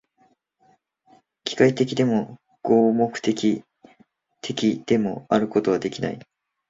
機械的でも、合目的的でもあることはできない。